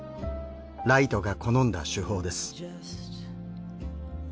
ライトが好んだ手法です。